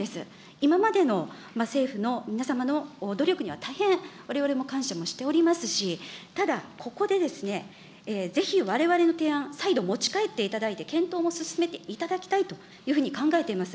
今までの政府の皆様の努力には大変われわれも感謝もしておりますし、ただ、ここでですね、ぜひわれわれの提案、再度持ち帰っていただいて、検討も進めていただきたいというふうに考えています。